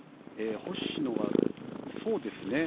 星野が、そうですね。